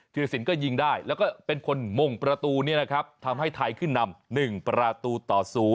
ธิรสินก็ยิงได้แล้วก็เป็นคนมงประตูนี้นะครับทำให้ไทยขึ้นนำ๑ประตูต่อ๐